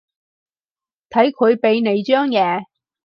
睇佢畀你張嘢